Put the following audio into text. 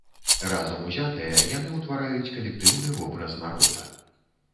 Разам узятыя, яны ўтвараюць калектыўны вобраз народа.